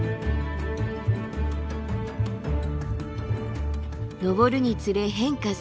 登るにつれ変化する森。